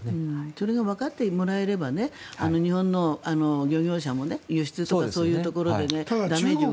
それがわかってもらえれば日本の漁業者も輸出とかそういうところでダメージを受けない。